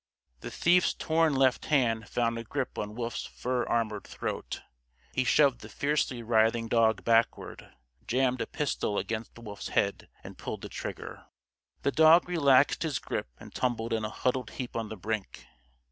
The thief's torn left hand found a grip on Wolf's fur armored throat. He shoved the fiercely writhing dog backward, jammed a pistol against Wolf's head, and pulled the trigger! The dog relaxed his grip and tumbled in a huddled heap on the brink.